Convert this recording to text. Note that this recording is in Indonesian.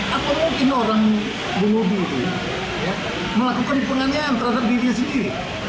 apa mungkin orang bunuh diri melakukan penganian terhadap diri sendiri